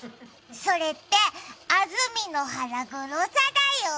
それって、安住の腹黒さだよ。